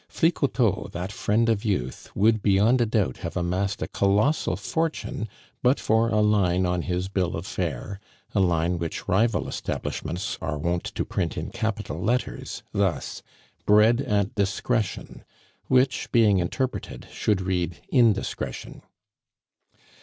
Flicoteaux, that friend of youth, would beyond a doubt have amassed a colossal fortune but for a line on his bill of fare, a line which rival establishments are wont to print in capital letters, thus BREAD AT DISCRETION, which, being interpreted, should read "indiscretion."